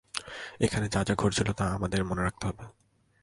এখানে যা যা ঘটেছিল তা আমাদের মনে রাখতে হবে।